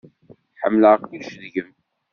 Ḥemmleɣ kullec deg-m.